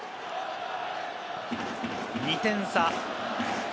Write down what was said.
２点差。